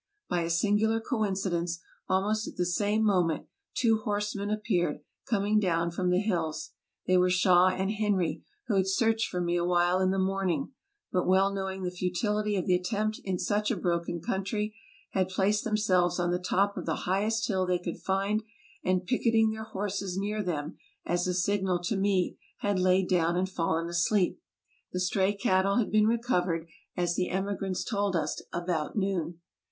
By a singular coincidence, almost at the same moment two horsemen appeared coming down from the hills. They were Shaw and Henry, who had searched for me awhile in the morning, but well knowing the futility of the attempt in such a broken country, had placed themselves on the top of the highest hill they could find, and picketing their horses near them, as a signal to me, had laid down and fallen asleep. The stray cattle had been recovered, as the emigrants told us, about noon.